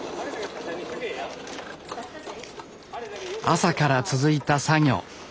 朝から続いた作業。